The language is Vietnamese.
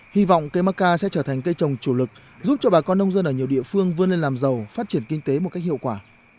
hy vọng cây macca sẽ trở thành cây trồng chủ lực giúp cho bà con nông dân ở nhiều địa phương vươn lên làm giàu phát triển kinh tế một cách hiệu quả